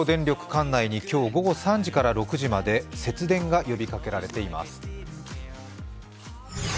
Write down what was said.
管内に今日午後３時から６時まで節電が呼びかけられています。